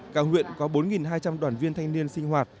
cả huyện có bốn hai trăm linh đoàn viên thanh niên sinh hoạt